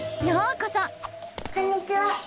こんにちは！